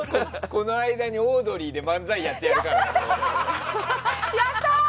この間にオードリーで漫才やってやろうか。